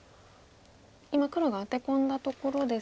今黒がアテ込んだところですが。